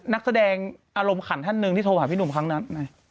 นักแสดงอารมณ์ขันท่านหนึ่งที่โทรหาพี่หนุ่มครั้งนั้น